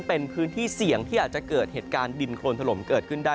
เป็นพื้นที่เสี่ยงที่อาจจะเกิดเหตุการณ์ดินโครนถล่มเกิดขึ้นได้